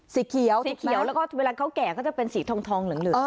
สีเขียวสีเขียวแล้วก็เวลาเขาแก่ก็จะเป็นสีทองเหลือง